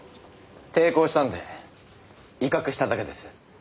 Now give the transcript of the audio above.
抵抗したので威嚇しただけです。